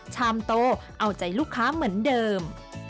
ชามโตเอาใจลูกค้าเหมือนเดิม